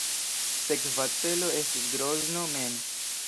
Sekva celo estis Grozno mem.